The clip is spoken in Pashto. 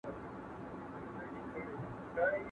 د ژمي په لمر مه نازېږه، د دښمن په خندا.